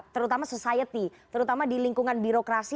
terutama society terutama di lingkungan birokrasi